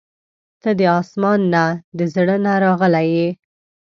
• ته د اسمان نه، د زړه نه راغلې یې.